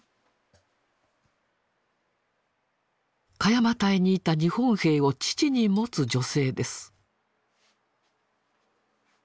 鹿山隊にいた日本兵を父に持つ女性です。